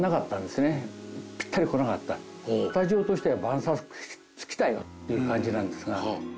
スタジオとしては万策尽きたよっていう感じなんですが。